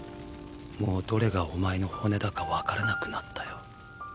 もうどれがお前の骨だか分からなくなったよ。